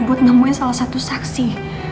buat nemuin salah satu saksi